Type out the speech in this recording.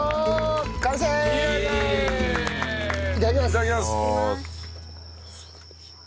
いただきます。